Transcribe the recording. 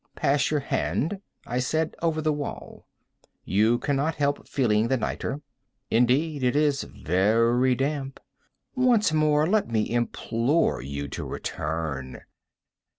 "Pass your hand," I said, "over the wall; you cannot help feeling the nitre. Indeed it is very damp. Once more let me implore you to return.